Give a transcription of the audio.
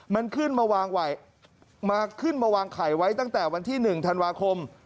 มันขึ้นมาวางไข่ไว้ตั้งแต่วันที่๑ธันวาคม